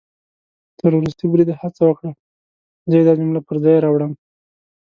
تر ورستي بریده هڅه وکړه، زه يې دا جمله پر ځای راوړم